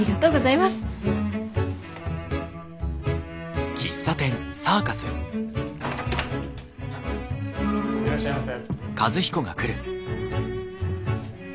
いらっしゃいませ。